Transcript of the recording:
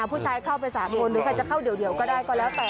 ผู้ชายเข้าไป๓คนหรือใครจะเข้าเดี่ยวก็ได้ก็แล้วแต่